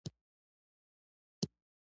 کېدای شي دا لیک هم تر پایه ونه شم لیکلی.